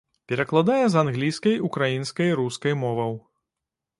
Перакладае з англійскай, украінскай, рускай моваў.